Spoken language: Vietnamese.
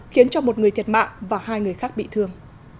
khiến cho một người thiệt mạng và hai người khác bị thương